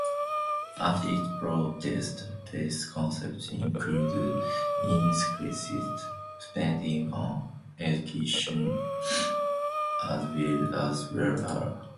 At its broadest this concept included increased spending on education as well as welfare.